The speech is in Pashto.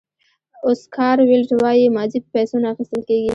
اوسکار ویلډ وایي ماضي په پیسو نه اخیستل کېږي.